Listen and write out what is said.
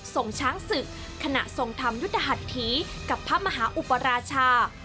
ส่งช้างศึกขณะทรงธรรมยุทธหัสถีกับพระมหาอุปราชา